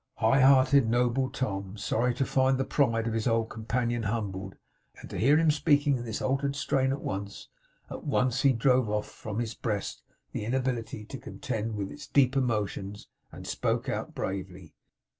High hearted, noble Tom! Sorry to find the pride of his old companion humbled, and to hear him speaking in this altered strain at once, at once, he drove from his breast the inability to contend with its deep emotions, and spoke out bravely.